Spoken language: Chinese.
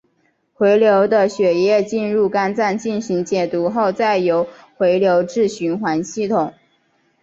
回流的血液进入肝脏进行解毒后再由回流至循环系统。